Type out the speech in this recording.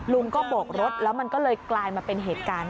ลุงก็โบกรถแล้วมันก็เลยกลายมาเป็นเหตุการณ์